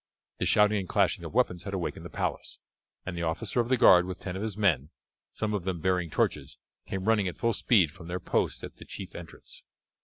The shouting and clashing of weapons had awakened the palace, and the officer of the guard with ten of his men, some of them bearing torches, came running at full speed from their post at the chief entrance.